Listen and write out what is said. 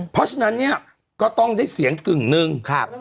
เพราะฉะนั้นก็ต้องได้เสียงกึ่งหนึ่ง